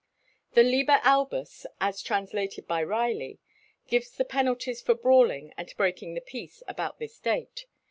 The "Liber Albus," as translated by Riley, gives the penalties for brawling and breaking the peace about this date.